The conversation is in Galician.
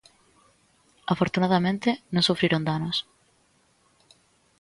Afortunadamente non sufriron danos.